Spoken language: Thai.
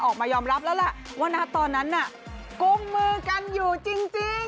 ออกมายอมรับแล้วล่ะว่านะตอนนั้นน่ะกุมมือกันอยู่จริง